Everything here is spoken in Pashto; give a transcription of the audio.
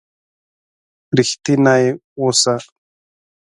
رښتيني وسه.